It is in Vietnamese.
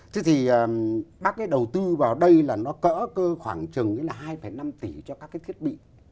thế thì bác ấy đầu tư vào đây là nó cỡ khoảng chừng ấy là hai năm tỷ cho các cái thiết bị